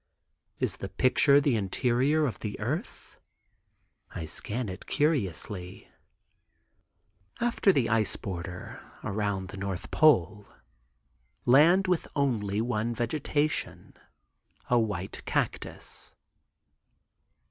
Is the picture the interior of the earth? I scan it curiously. After the ice border (around the north pole) land with one only vegetation, a white cactus.